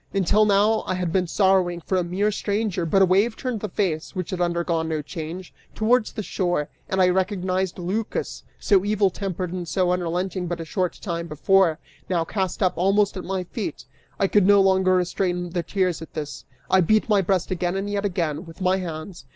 Until now, I had been sorrowing for a mere stranger, but a wave turned the face, which had undergone no change, towards the shore, and I recognized Lycas; so evil tempered and so unrelenting but a short time before, now cast up almost at my feet! I could no longer restrain the tears, at this; I beat my breast again and yet again, with my hands.